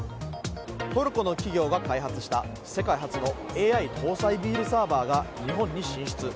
トルコの企業が開発した世界初のＡＩ搭載ビールサーバーが日本に進出。